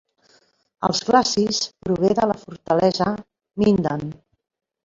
El "Glacis" prové de la fortalesa Minden.